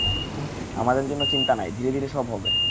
আমাদের জন্য চিন্তা নাই, ধীরে ধীরে সব হবে।